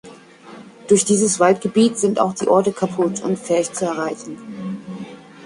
Durch dieses Waldgebiet sind auch die Orte Caputh und Ferch zu erreichen.